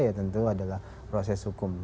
ya tentu adalah proses hukum